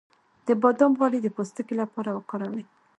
د بادام غوړي د پوستکي لپاره وکاروئ